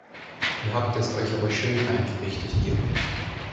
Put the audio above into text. Ihr habt es euch aber schön eingerichtet hier!